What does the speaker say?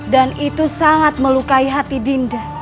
dan itu sangat melukai hati dinda